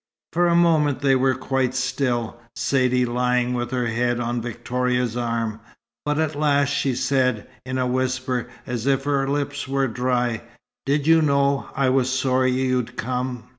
For a moment they were quite still, Saidee lying with her head on Victoria's arm. But at last she said, in a whisper, as if her lips were dry: "Did you know I was sorry you'd come?"